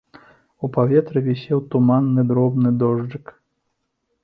У паветры вісеў туманны, дробны дожджык.